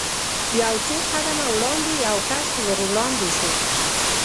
یو څو قدمه وړاندې یو کس ور وړاندې شو.